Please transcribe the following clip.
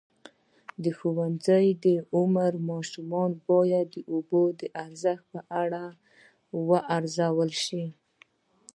د ښوونځي عمر ماشومان باید د اوبو د ارزښت په اړه وروزل شي.